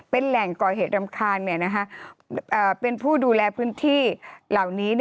เป็นแหล่งก่อเหตุรำคาญเป็นผู้ดูแลพื้นที่เหล่านี้